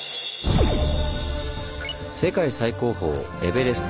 世界最高峰エベレスト。